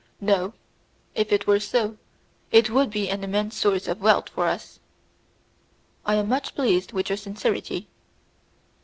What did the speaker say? "No, if it were so, it would be an immense source of wealth for us." "I am much pleased with your sincerity."